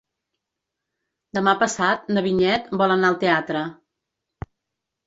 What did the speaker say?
Demà passat na Vinyet vol anar al teatre.